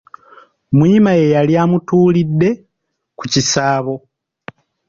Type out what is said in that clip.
Muyima yeeyali amutuulidde ku kisaabo.